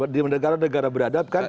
di negara negara beradab kan